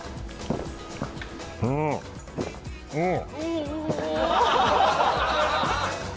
うんうん